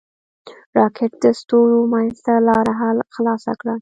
راکټ د ستورو منځ ته لاره خلاصه کړه